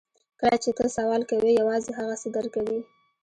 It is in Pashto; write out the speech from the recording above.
کله چې ته سوال کوې یوازې هغه څه درکوي